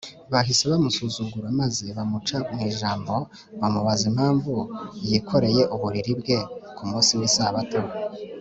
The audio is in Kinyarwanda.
Bahise bamusuzugura maze bamuca mu ijambo, bamubaza impamvu yikoreye uburiri bwe ku munsi w’Isabato